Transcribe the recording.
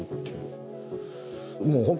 もう本当